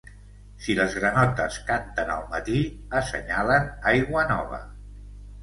Si les granotes canten al matí, assenyalen aigua nova.